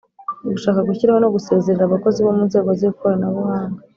Gushaka gushyiraho no gusezerera abakozi bomunzego zikorana buhanga